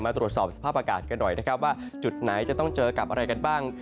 ตรวจสอบสภาพอากาศกันหน่อยนะครับว่าจุดไหนจะต้องเจอกับอะไรกันบ้าง